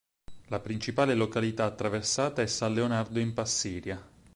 La principale località attraversata è San Leonardo in Passiria.